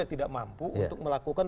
tidak mampu untuk melakukan